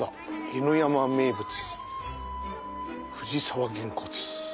「犬山名物藤澤げんこつ」。